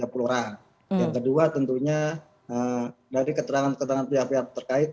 yang kedua tentunya dari keterangan keterangan pihak pihak terkait